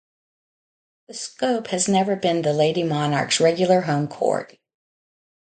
The Scope has never been the Lady Monarchs' regular home court.